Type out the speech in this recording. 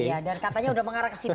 ya dan katanya udah mengarah ke situ ya